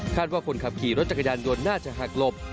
ว่าคนขับขี่รถจักรยานยนต์น่าจะหักหลบ